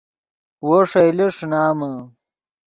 وو ݰئیلے ݰینامے